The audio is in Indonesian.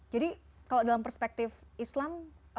jadi kalau dalam perspektif islam